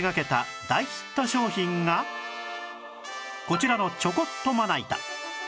こちらのちょこっとまな板